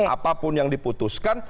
apapun yang diputuskan